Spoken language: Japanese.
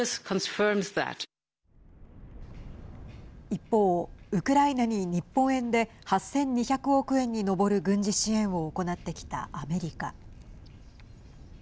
一方、ウクライナに日本円で８２００億円に上る軍事支援を行ってきたアメリカ。